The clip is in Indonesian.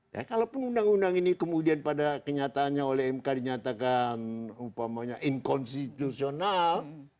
ya kalaupun undang undang ini kemudian pada kenyataannya oleh mk dinyatakan umpamanya inkonstitusional